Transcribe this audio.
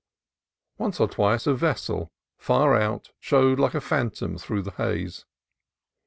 Once or twice a vessel, far out, showed like a phantom through the haze.